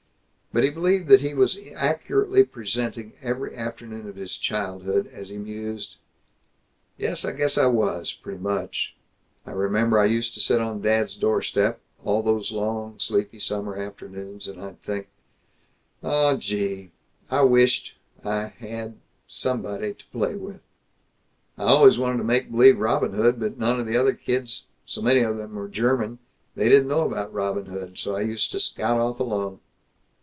But he believed that he was accurately presenting every afternoon of his childhood, as he mused, "Yes, I guess I was, pretty much. I remember I used to sit on dad's doorstep, all those long sleepy summer afternoons, and I'd think, 'Aw, geeeeee, I wisht I had somebody to play with!' I always wanted to make b'lieve Robin Hood, but none of the other kids so many of them were German; they didn't know about Robin Hood; so I used to scout off alone."